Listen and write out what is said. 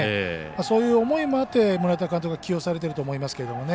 そういう思いもあって村田監督は起用されていると思いますけどね。